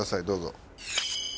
どうぞ。